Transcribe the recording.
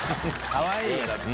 かわいいよだって。